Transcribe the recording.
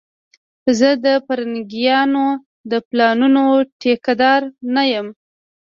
زه د پرنګيانو د پلانونو ټيکه دار نه یم